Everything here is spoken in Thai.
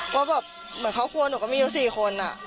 ว่าแบบเหมือนครอบครัวหนูก็มีอยู่๔คน